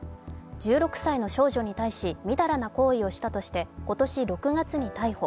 １６歳の少女に対し、みだらな行為をしたとして今年６月に逮捕。